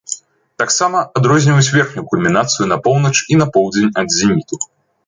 Таксама, адрозніваюць верхнюю кульмінацыю на поўнач і на поўдзень ад зеніту.